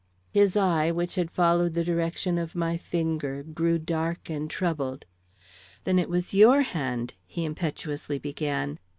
His eye, which had followed the direction of my finger, grew dark and troubled. "Then it was your hand " he impetuously began.